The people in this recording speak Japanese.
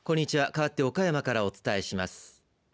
かわって岡山からお伝えします。